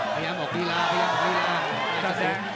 พยายามออกฟีลาพยายามออกฟีลาลายจะสิง